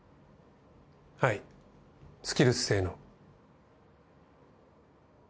はいスキルス性の。